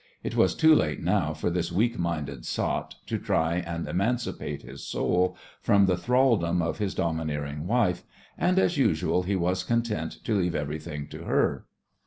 It was too late now for this weak minded sot to try and emancipate his soul from the thraldom of his domineering wife, and as usual he was content to leave everything to her.